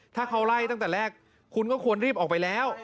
ถ้าเขาไล่ตั้งแต่แรกคุณก็ควรรีบออกไปแล้ว